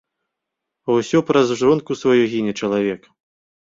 А ўсё праз жонку сваю гіне чалавек.